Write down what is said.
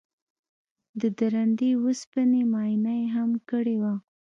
د درندې وسپنې معاینه یې هم کړې وه